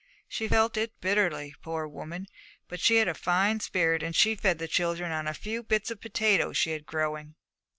She felt it bitterly, poor woman; but she had a fine spirit, and she fed the children on a few bits of potato she had growing.